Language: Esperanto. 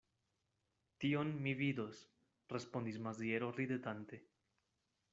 Tion mi vidos, respondis Maziero ridetante.